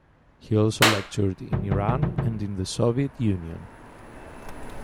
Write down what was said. He also lectured in Iran and in the Soviet Union.